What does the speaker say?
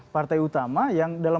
partai utama yang dalam